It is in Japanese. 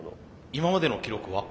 今までの記録は？